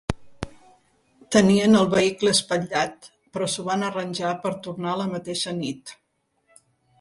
Tenien el vehicle espatllat, però s'ho van arranjar per tornar la mateixa nit.